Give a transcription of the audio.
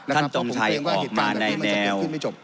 ท่านจองชัยออกมาในแนว